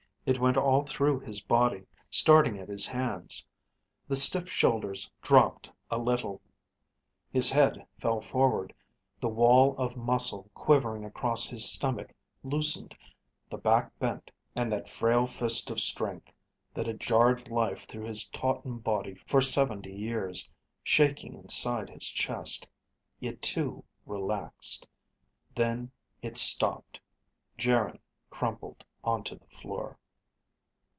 It went all through his body, starting at his hands. The stiff shoulders dropped a little, his head fell forward, the wall of muscle quivering across his stomach loosened, the back bent; and that frail fist of strength that had jarred life through his tautened body for seventy years, shaking inside his chest, it too relaxed. Then it stopped. Geryn crumpled onto the floor.